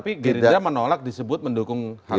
tapi gerindra menolak disebut mendukung hal itu